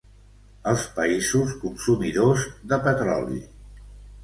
Els països consumidors de petroli.